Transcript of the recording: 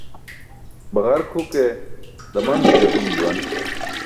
Baġark huke daman ce gatum juwan.